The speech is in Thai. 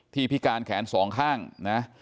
ที่พิการแขน๒ข้างนะ